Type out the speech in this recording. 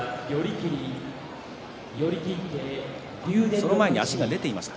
その前に足が出ていました。